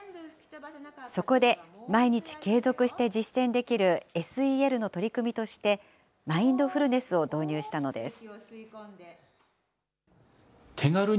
そこで、毎日継続して実践できるＳＥＬの取り組みとして、マインドフルネスを導入したのです。